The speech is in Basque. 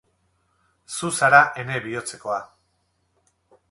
Zu zara ene bihotzekoa.